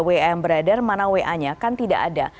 wm beredar mana wa nya kan tidak ada